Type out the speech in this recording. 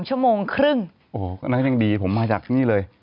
ชั่วโมงครึ่งโอ้โหก็น่าจะยังดีผมมาจากที่นี่เลย